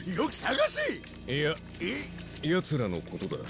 いやヤツらのことだ。